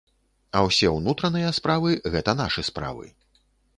А ўсе ўнутраныя справы, гэта нашы справы.